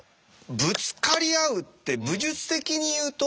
ぶつかり合うって武術的に言うと。